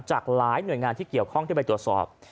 จากหลายหน่วยงานที่เกี่ยวข้องที่ไปตรวจสอบ